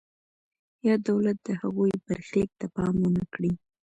یا دولت د هغوی برخلیک ته پام ونکړي.